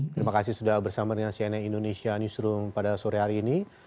terima kasih sudah bersama dengan cnn indonesia newsroom pada sore hari ini